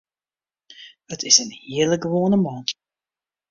It is in hiele gewoane man.